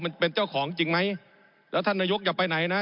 ผมอภิปรายเรื่องการขยายสมภาษณ์รถไฟฟ้าสายสีเขียวนะครับ